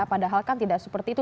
padahal kan tidak seperti itu